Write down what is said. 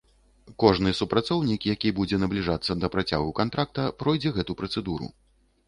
Кожны супрацоўнік, які будзе набліжацца да працягу кантракта, пройдзе гэту працэдуру.